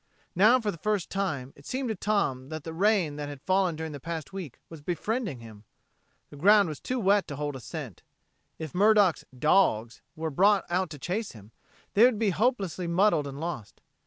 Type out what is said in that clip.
Now, for the first time, it seemed to Tom that the rain which had fallen during the past week was befriending him. The ground was too wet to hold a scent. If Murdock's "dawgs" were brought out to chase him, they would become hopelessly muddled and lost.